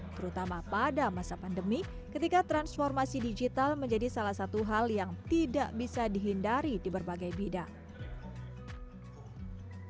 terutama pada masa pandemi ketika transformasi digital menjadi salah satu hal yang tidak bisa dihindari di berbagai bidang